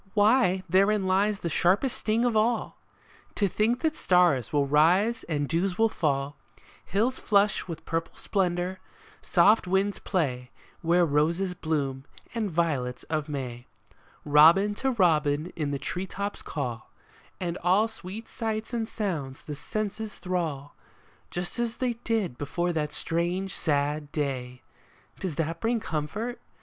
Why, therein lies the sharpest sting of all ! To think that stars will rise and dews will fall, Hills flush with purple splendor, soft winds play Where roses bloom and violets of May, Robin to robin in the tree tops call, And all sweet sights and sounds the senses thrall, Just as they did before that strange, sad day ! Does that bring comfort